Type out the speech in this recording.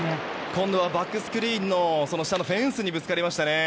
今度はバックスクリーンの下のフェンスにぶつかりました。